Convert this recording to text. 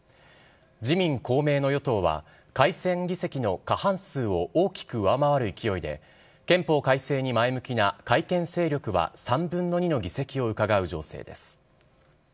自民、公明の与党は改選議席の過半数を大きく上回る勢いで、憲法改正に前向きな改憲勢力は３分の２の議席をうかがう情勢です。